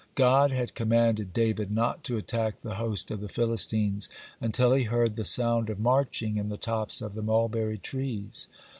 God had commanded David not to attack the host of the Philistines until he heard "the sound of marching in the tops of the mulberry trees."